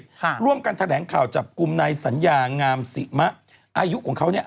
ค่ะร่วมกันแถลงข่าวจับกลุ่มนายสัญญางามสิมะอายุของเขาเนี้ย